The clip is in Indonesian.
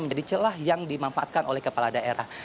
menjadi celah yang dimanfaatkan oleh kepala daerah